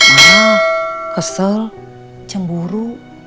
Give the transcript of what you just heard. marah kesel cemburu